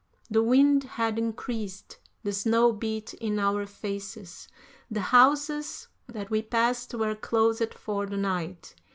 The wind had increased; the snow beat in our faces; the houses that we passed were closed for the night.